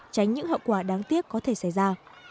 tránh những hậu quả đáng tiếc có thể xảy ra